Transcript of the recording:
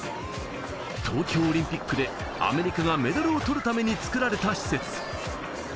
東京オリンピックでアメリカがメダルを取るために作られた施設。